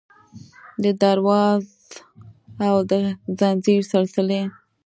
د دروازو او د ځنځیر سلسلې